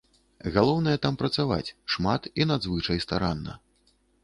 Галоўнае там працаваць, шмат і надзвычай старанна.